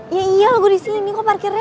ya iya lah gue disini kok parkirnya